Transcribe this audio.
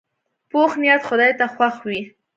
پوخ نیت خدای ته خوښ وي